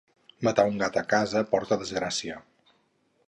Matar un gat a casa porta desgràcia.